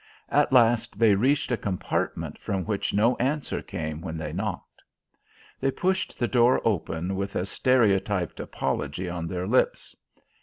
At last they reached a compartment from which no answer came when they knocked. They pushed the door open with a stereotyped apology on their lips.